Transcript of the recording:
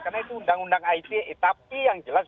karena itu undang undang ite tapi yang jelas